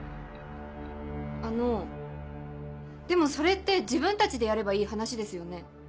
あのでもそれって自分たちでやればいい話ですよね。